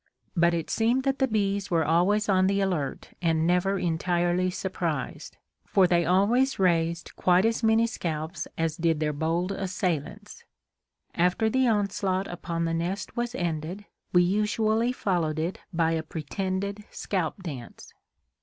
But it seemed that the bees were always on the alert and never entirely surprised, for they always raised quite as many scalps as did their bold assailants! After the onslaught upon the nest was ended, we usually followed it by a pretended scalp dance.